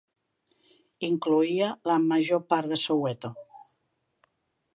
Incloïa la major part de Soweto.